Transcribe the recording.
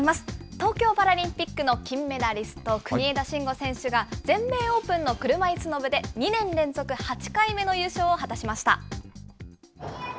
東京パラリンピックの金メダリスト、国枝慎吾選手が、全米オープンの車いすの部で、２年連続８回目の優勝を果たしました。